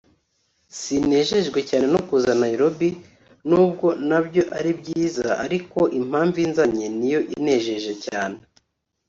sinejejwe cyane no kuza Nairobi n'ubwo nabyo ari byiza ariko impamvu inzanye ni yo inejeje cyane